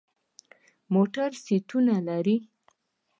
موټر سیټونه لري.